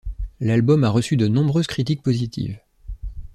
L'album a reçu de nombreuses critiques positives.